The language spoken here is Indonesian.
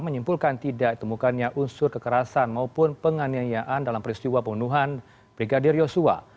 menyimpulkan tidak ditemukannya unsur kekerasan maupun penganiayaan dalam peristiwa pembunuhan brigadir yosua